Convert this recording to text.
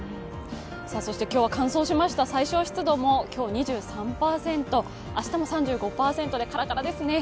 そして今日は乾燥しました、最小湿度も２３％、明日も３５％でカラカラですね。